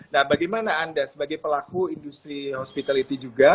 nah bagaimana anda sebagai pelaku industri hospitality juga